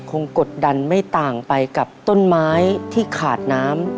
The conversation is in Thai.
กดดันไม่ต่างไปกับต้นไม้ที่ขาดน้ำ